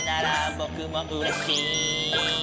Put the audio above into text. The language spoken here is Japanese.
「ぼくもうれしい」